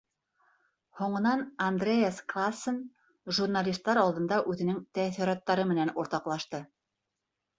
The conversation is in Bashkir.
Һуңынан Андреас Классен журналистар алдында үҙенең тәьҫораттары менән уртаҡлашты.